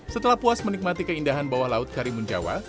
setelah puas menikmati keindahan bawah laut karimun jawa